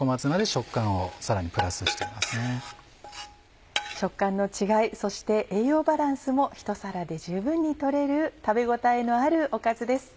食感の違いそして栄養バランスもひと皿で十分に取れる食べ応えのあるおかずです。